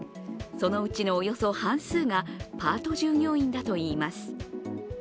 そのうちのおよそ半数がパート従業員だといいます。